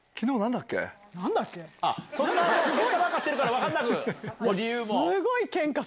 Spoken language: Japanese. ケンカばっかしてるから分かんなく。